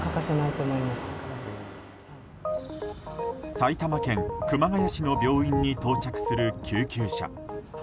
埼玉県熊谷市の病院に到着する救急車。